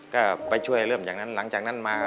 ก็ไปช่วยเริ่มจากนั้นหลังจากนั้นมา